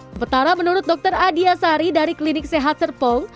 sementara menurut dr adia sari dari klinik sehat serpong